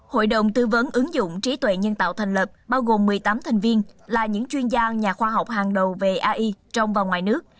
hội đồng tư vấn ứng dụng trí tuệ nhân tạo thành lập bao gồm một mươi tám thành viên là những chuyên gia nhà khoa học hàng đầu về ai trong và ngoài nước